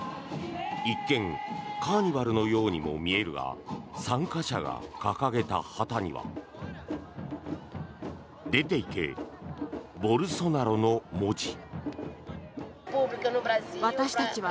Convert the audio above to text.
一見、カーニバルのようにも見えるが参加者が掲げた旗には。出ていけ、ボルソナロの文字。